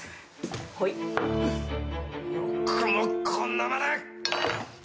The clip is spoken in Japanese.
「よくもこんなまね！」